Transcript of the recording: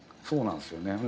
そうなんすよね。